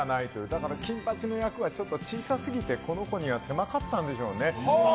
だから「金八」の役はちょっと小さすぎてこの子には狭かったんでしょうね。